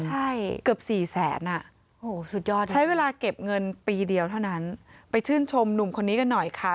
ใช่เกือบสี่แสนอ่ะโอ้โหสุดยอดใช้เวลาเก็บเงินปีเดียวเท่านั้นไปชื่นชมหนุ่มคนนี้กันหน่อยค่ะ